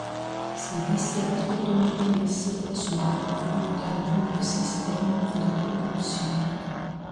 Ces dix-sept automotrices sont pourvues d'un double système de propulsion.